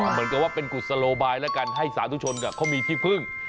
เหมือนกับว่าเป็นกุศโลบายแล้วกันให้สาธุชนเขามีที่พึ่ง